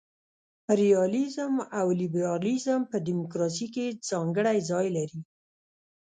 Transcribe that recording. ریالیزم او لیبرالیزم په دموکراسي کي ځانګړی ځای لري.